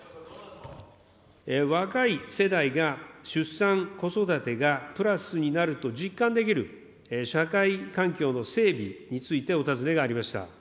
若い世代が出産、子育てがプラスになると実感できる社会環境の整備についてお尋ねがありました。